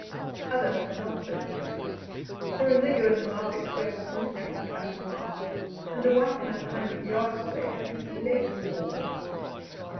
Others were not so fortunate, for a nigger in the market square was literally cut in half, and a white man 100 yards away had his leg torn off.